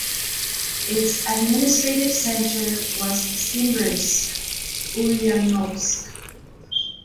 Its administrative centre was Simbirsk ("Ulyanovsk").